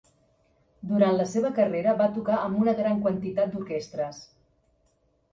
Durant la seva carrera va tocar amb una gran quantitat d'orquestres.